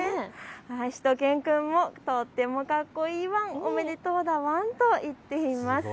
しゅと犬くんもとってもかっこいいワンおめでとうだワンといっています。